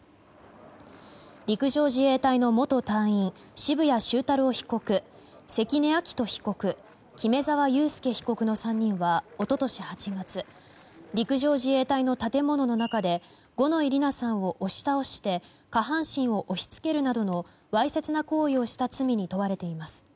陸上自衛隊の元隊員渋谷修太郎被告関根亮斗被告、木目沢佑輔被告の３人は一昨年８月陸上自衛隊の建物の中で五ノ井里奈さんを押し倒して下半身を押し付けるなどのわいせつな行為をした罪に問われています。